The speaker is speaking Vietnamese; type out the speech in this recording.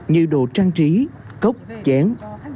như đồ trang trí cốc chén